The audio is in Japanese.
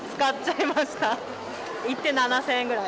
いって７０００円ぐらい。